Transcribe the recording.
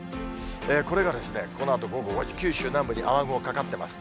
これがこのあと午後５時、九州南部に雨雲かかってます。